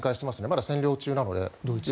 まだ占領中なので。